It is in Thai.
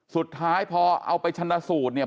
สุดท้ายพอเอาไปชนะสูตรเนี่ย